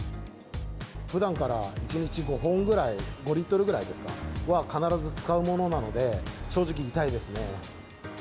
ふだんから１日５本ぐらい、５リットルぐらい、必ず使うものなので、正直、痛いですね。